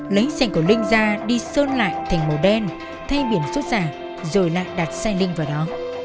lấy xe của linh ra đi sơn lại thành màu đen thay biển xuất giả rồi lại đặt xe linh vào đó